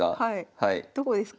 どこですか？